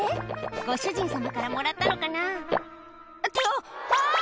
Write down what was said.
ご主人様からもらったのかなってあっあぁ！